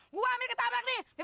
gue ambil ketabrak ini